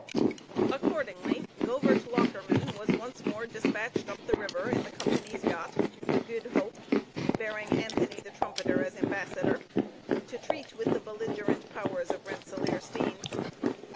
Accordingly Govert Lockerman was once more despatched up the river in the company's yacht, the Goed Hoop, bearing Anthony the Trumpeter as ambassador, to treat with the belligerent powers of Rensellaersteen.